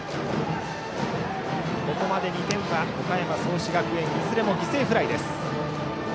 ここまで２点は岡山・創志学園いずれも犠牲フライ。